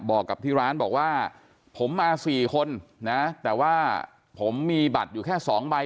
บอกกับที่ร้านบอกว่าผมมา๔คนนะแต่ว่าผมมีบัตรอยู่แค่๒ใบ